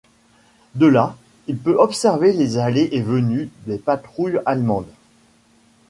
De là, il peut observer les allées et venues des patrouilles allemandes.